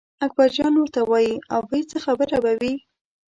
اکبرجان ورته وایي ابۍ څه خبره به وي.